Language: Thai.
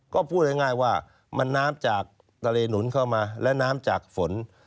ก็พูดง่ายว่ามันน้ำจากทะเลหนุนเข้ามาและน้ำจากฝน